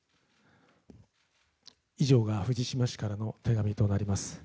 以上が藤島氏からの手紙となります。